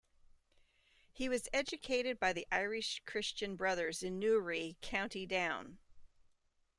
He was educated by the Irish Christian Brothers in Newry, County Down.